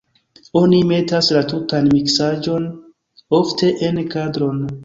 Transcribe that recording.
Oni metas la tutan miksaĵon ofte en kadron.